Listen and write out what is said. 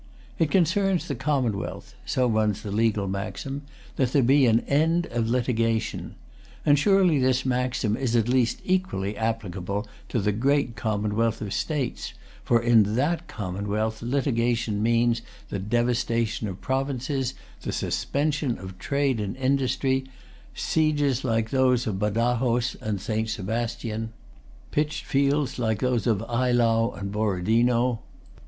It concerns the commonwealth—so runs the legal maxim—that there be an end of litigation. And surely this maxim is at least equally applicable to the great commonwealth of states; for in that commonwealth litigation means the devastation of provinces, the suspension of trade and industry, sieges like those of Badajoz and St. Sebastian, pitched fields like those of Eylau and Borodino.